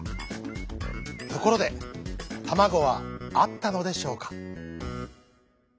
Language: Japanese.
ところでたまごはあったのでしょうか？